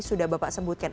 sudah bapak sebutkan